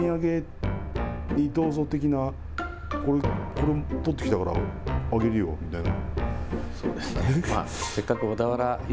これ取ってきたからあげるよみたいな。